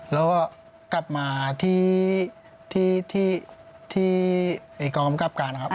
แล้วก็กลับมาที่กองกำกับการนะครับ